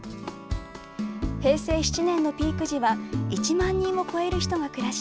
平成７年のピーク時は１万人を超える人が暮らし